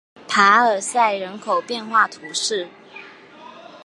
帕尔塞人口变化图示